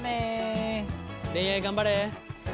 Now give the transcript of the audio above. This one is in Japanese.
恋愛頑張れ。